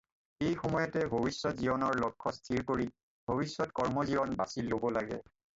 এই সময়তে ভৱিষ্যত জীৱনৰ লক্ষ্য স্থিৰ কৰি ভৱিষ্যত কৰ্ম জীৱন বাছি ল'ব লাগে।